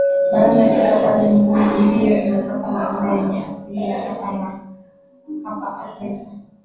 barani Afrika kwani miji hiyo imepata majina yenye asili yake hapa hapa Afrika